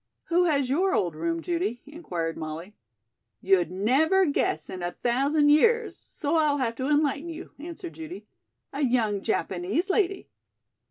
"Who has your old room, Judy?" inquired Molly. "You'd never guess in a thousand years, so I'll have to enlighten you," answered Judy. "A young Japanese lady."